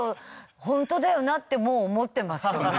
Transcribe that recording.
ほんとだよなってもう思ってますけど。